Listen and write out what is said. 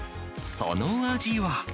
その味は。